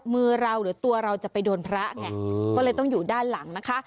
มือเราหรือตัวเราจะไปโดนพระไงก็เลยต้องอยู่ด้านหลังนะคะ